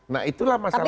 nah itulah masalahnya